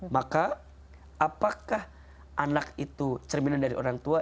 maka apakah anak itu cerminan dari orang tua